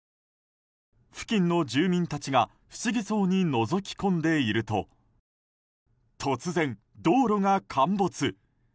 付近の住民たちが不思議そうにのぞき込んでいると突然、道路が陥没。